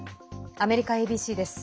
アメリカＡＢＣです。